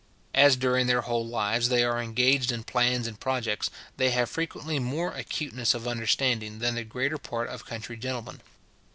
As during their whole lives they are engaged in plans and projects, they have frequently more acuteness of understanding than the greater part of country gentlemen.